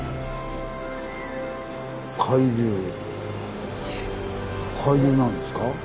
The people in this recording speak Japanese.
海流なんですか？